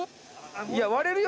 いや割れるよ